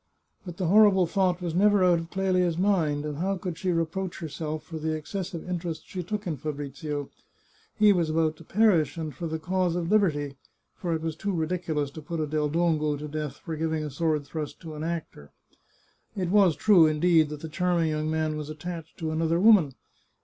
But the hor rible thought was never out of Clelia's mind, and how could she reproach herself for the excessive interest she took in Fabrizio ? He was about to perish, and for the cause of lib erty, for it was too ridiculous to put a Del Dongo to death for giving a sword thrust to an actor. It was true, indeed, that the charming young man was attached to another woman.